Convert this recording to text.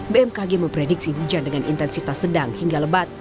bmkg memprediksi hujan dengan intensitas sedang hingga lebat